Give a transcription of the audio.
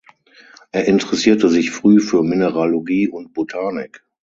Er interessierte sich früh für Mineralogie und Botanik.